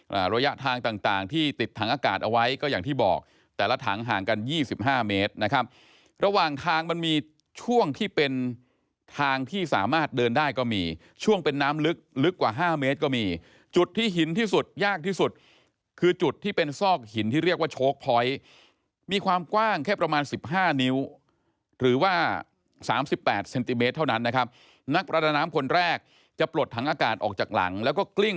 ระยะทางต่างที่ติดถังอากาศเอาไว้ก็อย่างที่บอกแต่ละถังห่างกัน๒๕เมตรนะครับระหว่างทางมันมีช่วงที่เป็นทางที่สามารถเดินได้ก็มีช่วงเป็นน้ำลึกลึกกว่า๕เมตรก็มีจุดที่หินที่สุดยากที่สุดคือจุดที่เป็นซอกหินที่เรียกว่าโชคพอยต์มีความกว้างแค่ประมาณ๑๕นิ้วหรือว่า๓๘เซนติเมตรเท่านั้